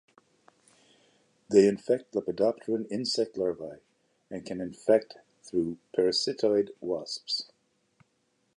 They infect lepidopteran insect larvae and can infect through parasitoid wasps.